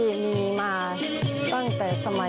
ที่มีมาตั้งแต่สมัยสุโขทัยเป็นราชธานี